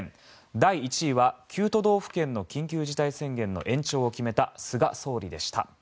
第１位は、９都道府県の緊急事態宣言の延長を決めた菅総理でした。